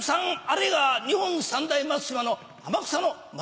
あれが日本三大松島の天草の松島です！